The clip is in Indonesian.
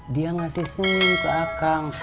dia ngasih simp ke akang